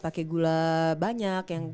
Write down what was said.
pake gula banyak yang